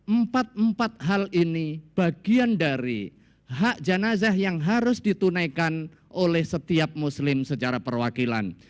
empat empat hal ini bagian dari hak jenazah yang harus ditunaikan oleh setiap muslim secara perwakilan